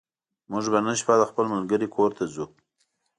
موږ به نن شپه د خپل ملګرې کور ته ځو